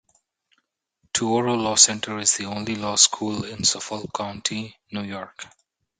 Touro Law Center is the only law school in Suffolk County, New York.